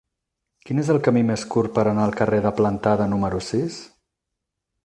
Quin és el camí més curt per anar al carrer de Plantada número sis?